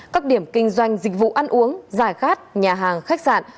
các điểm kinh doanh dịch vụ ăn uống giải khát nhà hàng khách sạn